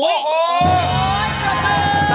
โอ้โหสายตาโอ้โห